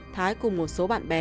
thái cùng một số bạn bè